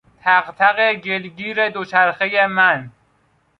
تق تق گلگیر دوچرخهی من